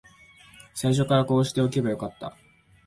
最初からこうしておけばよかった